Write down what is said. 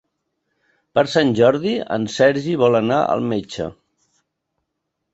Per Sant Jordi en Sergi vol anar al metge.